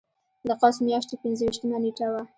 د قوس میاشتې پنځه ویشتمه نېټه وه.